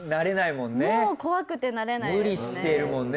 もう怖くてなれないですね。